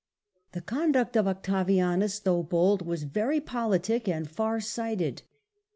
The conduct of Octavianus, though bold, was very politic and far sighted.